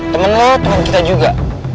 temen lo temen kita juga